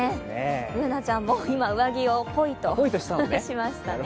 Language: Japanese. Ｂｏｏｎａちゃんも今、上着をぽいっとしましたね。